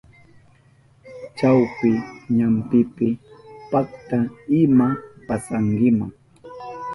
Chawpi ñampipi pakta ima pasankima.